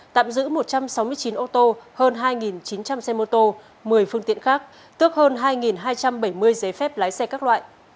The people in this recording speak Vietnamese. tạm giữ một trăm sáu mươi chín ô tô hơn hai chín trăm linh xe mô tô một mươi phương tiện khác tước hơn hai hai trăm bảy mươi giấy phép lái xe các loại